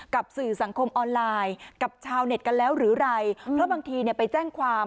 สื่อสังคมออนไลน์กับชาวเน็ตกันแล้วหรือไรเพราะบางทีเนี่ยไปแจ้งความ